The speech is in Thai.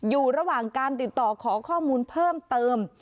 อยู่ระหว่างการติดต่อขอข้อมูลเพิ่มเติม